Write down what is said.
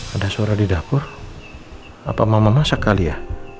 ada suara di dapur apa mama masak kali ya